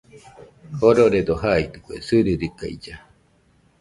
Jororedo jaidɨkue sɨrɨrikailla.